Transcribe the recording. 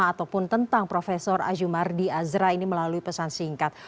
ataupun tentang prof azumardi azra ini melalui pesan singkat